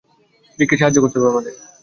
রিককে সাহায্য করতে হবে আমাদের!